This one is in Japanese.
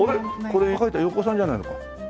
これ描いたの横尾さんじゃないのか？